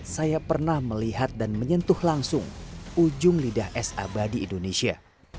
saya pernah melihat dan menyentuh langsung ujung lidah es abadi indonesia